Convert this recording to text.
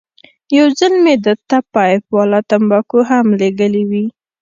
یو ځل مې ده ته پایپ والا تنباکو هم لېږلې وې.